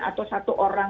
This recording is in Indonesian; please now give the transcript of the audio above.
atau satu orang